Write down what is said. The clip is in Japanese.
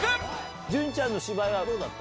潤ちゃんの芝居はどうだった？